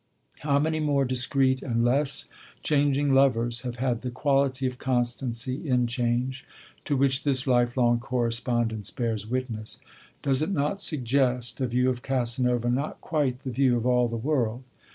How many more discreet and less changing lovers have had the quality of constancy in change, to which this life long correspondence bears witness? Does it not suggest a view of Casanova not quite the view of all the world?